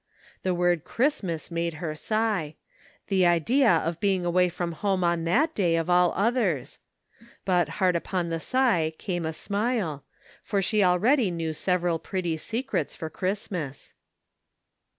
The word "Christmas" made her sigh; the idea of MACHINES AND NEWS. 265 being away from home on that day of all others ! But hard upon the sigh came a smile, for she already knew several pretty secrets for Christmas.